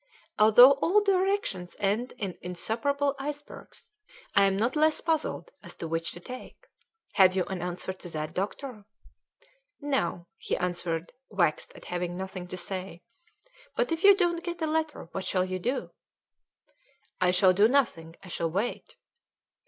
Although all directions end in insuperable icebergs, I am not less puzzled as to which to take. Have you an answer to that, doctor?" "No," he answered, vexed at having nothing to say; "but if you don't get a letter what shall you do?" "I shall do nothing; I shall wait."